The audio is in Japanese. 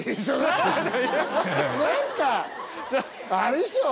何かあれでしょ？